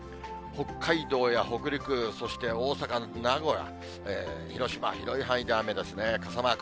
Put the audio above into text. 北海道や北陸、そして大阪、名古屋、広島、広い範囲で雨ですね、傘マーク。